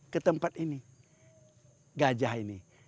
ketempat ini gajah ini